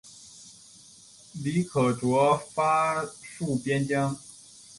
李可灼发戍边疆。